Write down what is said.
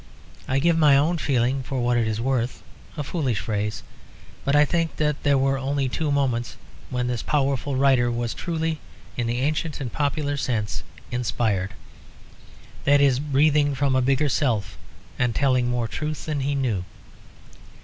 I give my own feeling for what it is worth (a foolish phrase), but I think that there were only two moments when this powerful writer was truly, in the ancient and popular sense, inspired; that is, breathing from a bigger self and telling more truth than he knew.